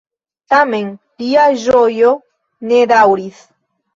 Tamen, lia ĝojo ne daŭris.